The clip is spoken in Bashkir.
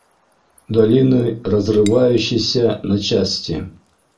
Долины разрывающийся на части.